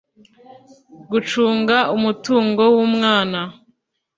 gucunga umutungo w umwana